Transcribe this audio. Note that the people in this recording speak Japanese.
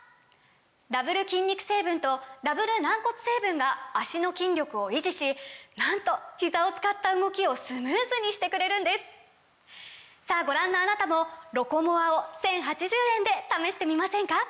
ダブル筋肉成分とダブル軟骨成分が脚の筋力を維持しなんとひざを使った動きをスムーズにしてくれるんですさぁご覧のあなたも「ロコモア」を１，０８０円で試してみませんか！